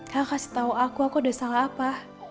kakak kasih tau aku aku ada salah apa